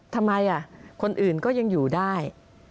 ทำไมคนอื่นก็ยังอยู่ได้